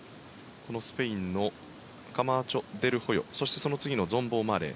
スペインのカマーチョデルホヨそしてその次のマレー。